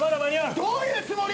どういうつもり？